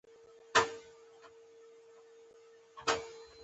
د خاورې بډای کول په دې عنصر یوریا ته اړتیا لري.